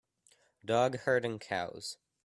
Dog herding cows